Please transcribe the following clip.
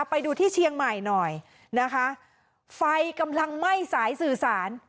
ไปดูที่เชียงใหม่หน่อยนะคะไฟกำลังไหม้สายสื่อสาร